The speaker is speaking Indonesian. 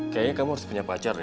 kayaknya kamu harus punya pacar ya